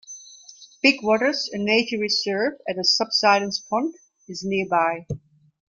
Big Waters, a nature reserve at a subsidence pond, is nearby.